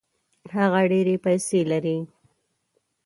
هغه ډېري پیسې لري.